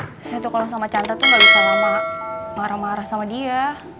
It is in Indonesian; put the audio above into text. saya tuh kalau sama chandra tuh gak bisa lama marah marah sama dia